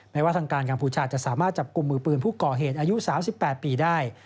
ว่าทางการกัมพูชาจะสามารถจับกลุ่มมือปืนผู้ก่อเหตุอายุ๓๘ปีได้